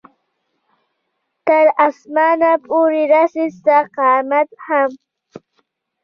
تر اسمانه پورې رسي ستا قامت هم